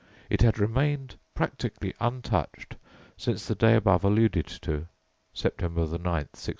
It had remained practically untouched since the day above alluded to (September 9th, 1651).